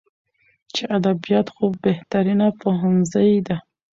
چې ادبيات خو بهترينه پوهنځۍ ده.